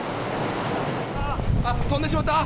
ああ、飛んでしまった。